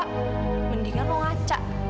sebaiknya kamu mengacau